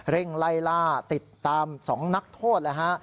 เร่งไล่ล่าติดตาม๒นักโทษนะฮะ